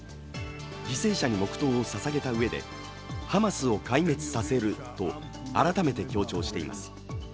犠牲者に黙とうをささげたうえでハマスを壊滅させると改めて強調しています。